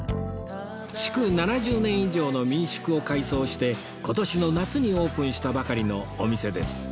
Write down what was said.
築７０年以上の民宿を改装して今年の夏にオープンしたばかりのお店です